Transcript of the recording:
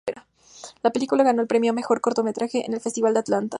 La película ganó el premio a Mejor Cortometraje en el Festival de Atlanta.